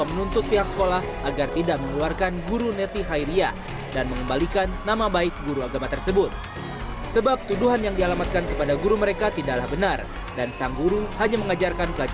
menyelidiki pengaduan tersebut kebenarannya